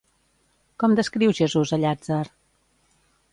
Com descriu Jesús a Llàtzer?